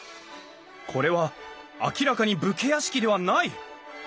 これは明らかに武家屋敷ではない！